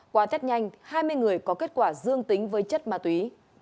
qua tết nhanh hai mươi người có kết quả dương tính với chất ma túy